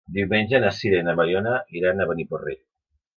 Diumenge na Sira i na Mariona iran a Beniparrell.